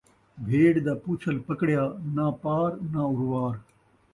بھیݙ دا پوچھل پکڑیا، ناں پار ناں اروار